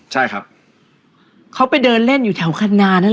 ใช่ครับเขาไปเดินเล่นอยู่แถวคันนานั่นแหละ